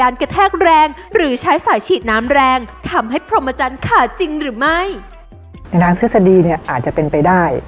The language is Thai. ในทางทฤษฎีอาจจะเป็นไปได้